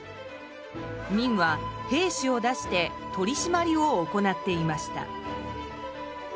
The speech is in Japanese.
明は兵士を出して取り締まりを行っていました。